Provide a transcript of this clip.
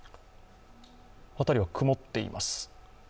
辺りは曇っています。